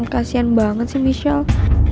kasian banget sih michelle